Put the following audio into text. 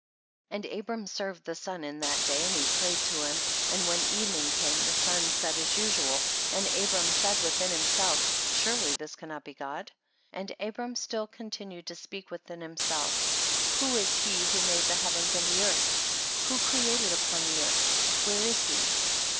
14. And Abram served the sun in that day and he prayed to him, and when evening came the sun set as usual, and Abram said Avilhin him self, surely this cannot be God ? 15. And Abram still continued to speak within himself, who is he who made the heavens and the earth ? who created upon earth? where is he?